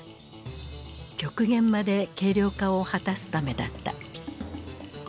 極限まで軽量化を果たすためだった。